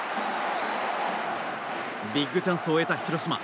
ビッグチャンスを得た広島。